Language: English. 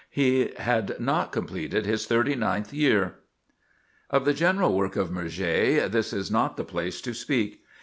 He had not completed his thirty ninth year. Of the general work of Murger, this is not the place to speak.